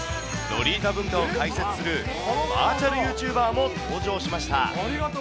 ロリータ文化を解説するバーチャルユーチューバーも登場しました。